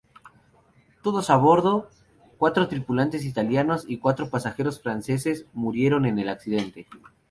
Todos a bordo, cuatro tripulantes italianos y cuatro pasajeros franceses, murieron en el accidente.